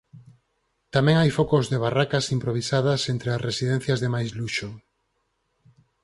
Tamén hai focos de barracas improvisadas entre as residencias de máis luxo.